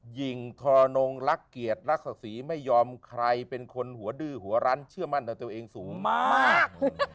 หญิงทรนงรักเกียรติรักษีไม่ยอมใครเป็นคนหัวดื้อหัวรั้นเชื่อมั่นในตัวเองสูงมาก